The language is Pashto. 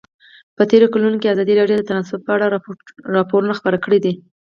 په تېرو کلونو کې ازادي راډیو د ترانسپورټ په اړه راپورونه خپاره کړي دي.